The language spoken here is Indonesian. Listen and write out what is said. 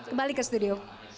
kembali ke studio